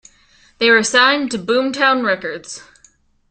They were signed to Boomtown Records.